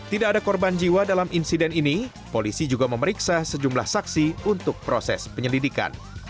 tidak ada korban jiwa dalam insiden ini polisi juga memeriksa sejumlah saksi untuk proses penyelidikan